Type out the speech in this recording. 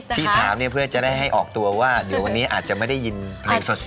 ที่ถามเนี่ยเพื่อจะได้ให้ออกตัวว่าเดี๋ยววันนี้อาจจะไม่ได้ยินเพลงสด